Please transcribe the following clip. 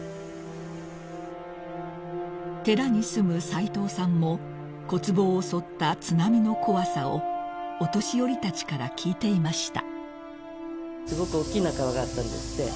［寺に住む齋藤さんも小坪を襲った津波の怖さをお年寄りたちから聞いていました］